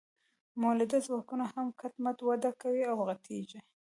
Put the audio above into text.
مؤلده ځواکونه هم کټ مټ وده کوي او غټیږي.